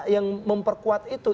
yang memperkuat itu